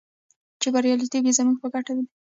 چې بریالیتوب یې زموږ په ګټه دی.